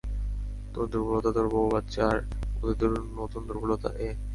তোর দুর্বলতা তোর বউ বাচ্চা, আর ওদের নতুন দুর্বলতা এ।